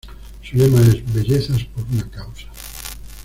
Su lema es "Bellezas por una causa".